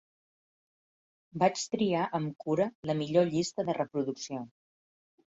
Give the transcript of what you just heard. Vaig triar amb cura la millor llista de reproducció.